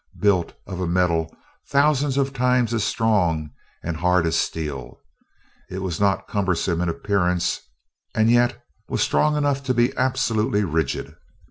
Built of a metal thousands of times as strong and hard as steel, it was not cumbersome in appearance, and yet was strong enough to be absolutely rigid.